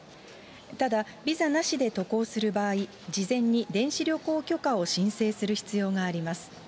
ただ、ビザなしで渡航する場合、事前に電子旅行許可を申請する必要があります。